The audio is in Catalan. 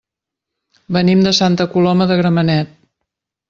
Venim de Santa Coloma de Gramenet.